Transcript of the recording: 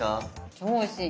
超おいしい。